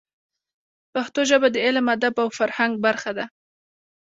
پښتو ژبه د علم، ادب او فرهنګ برخه ده.